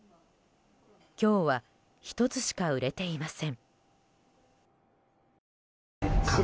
今日は１つしか売れていません。